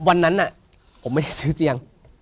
วันนั้นผมไม่ได้ซื้อเตียง